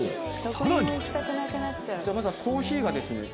さらにまずはコーヒーがですね